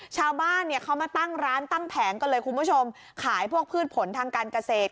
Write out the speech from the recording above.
ชาวบ้านเนี่ยเขามาตั้งร้านตั้งแผงกันเลยคุณผู้ชมขายพวกพืชผลทางการเกษตร